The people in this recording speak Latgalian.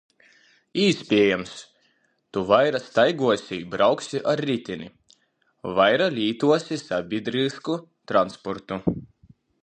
Īspiejams, Tu vaira staiguosi i brauksi ar ritini, vaira lītuosi sabīdryskū transportu.